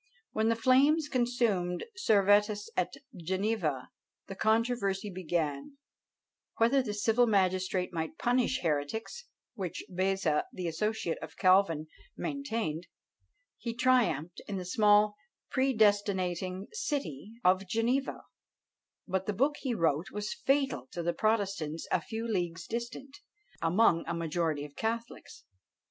When the flames consumed Servetus at Geneva, the controversy began, whether the civil magistrate might punish heretics, which Beza, the associate of Calvin, maintained; he triumphed in the small predestinating city of Geneva; but the book he wrote was fatal to the protestants a few leagues distant, among a majority of catholics.